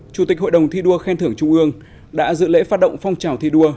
chủ tịch hội đồng thi đua khen thưởng trung ương đã dự lễ phát động phong trào thi đua